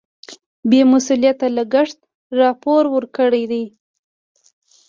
بې مسؤلیته لګښت راپور ورکړي.